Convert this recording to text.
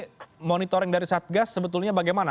oke monitoring dari satgas sebetulnya bagaimana